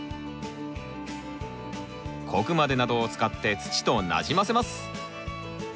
小クマデなどを使って土となじませます。